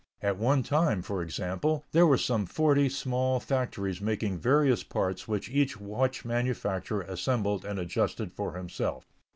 At one time, for example, there were some forty small factories making various parts which each watch manufacturer assembled and adjusted for himself.